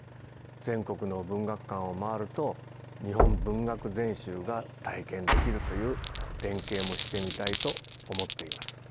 全国の文学館を回ると「日本文学全集」が体験できるという連携もしてみたいと思っています。